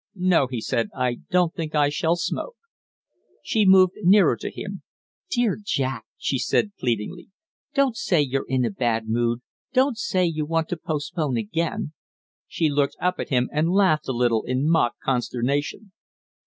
"No," he said, "I don't think I shall smoke." She moved nearer to him. "Dear Jack," she said, pleadingly, "don't say you're in a bad mood. Don't say you want to postpone again." She looked up at him and laughed a little in mock consternation.